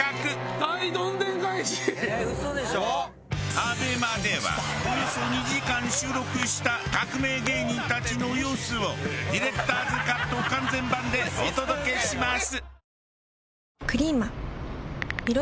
ＡＢＥＭＡではおよそ２時間収録した革命芸人たちの様子をディデクターズカット完全版でお届けします！